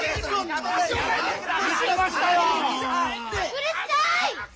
うるさい！